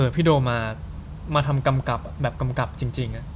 โดมาทำกำกับแบบกำกับจริง